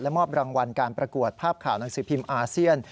มอบรางวัลการประกวดภาพข่าวหนังสือพิมพ์อาเซียน